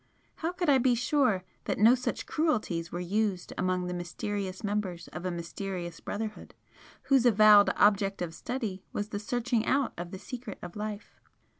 How could I be sure that no such cruelties were used among the mysterious members of a mysterious Brotherhood, whose avowed object of study was the searching out of the secret of life?